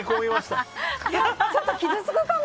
ちょっと傷つくかも。